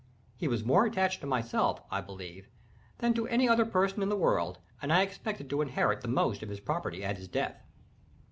He was more attached to myself, I believe, than to any other person in the world, and I expected to inherit the most of his property at his death.